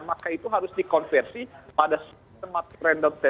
maka itu harus dikonversi pada smart random testing